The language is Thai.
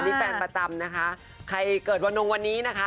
มีคนเคยเกิดวันนี้นะคะ